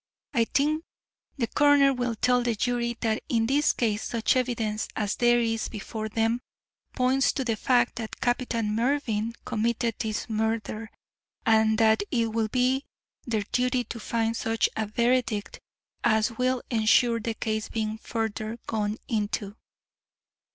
I think the coroner will tell the jury that in this case such evidence as there is before them points to the fact that Captain Mervyn committed this murder, and that it will be their duty to find such a verdict as will ensure the case being further gone into."